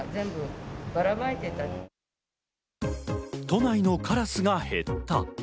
都内のカラスが減った。